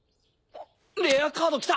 レアカードきた！